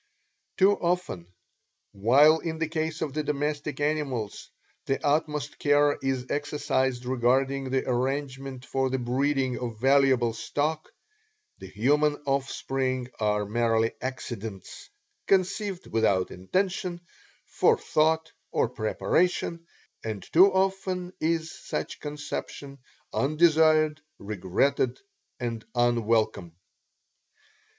Too often, while in the case of the domestic animals the utmost care is exercised regarding the arrangement for the breeding of valuable stock, the human offspring are mere "accidents," conceived without intention, forethought, or preparation; and too often is such conception undesired, regretted and unwelcome.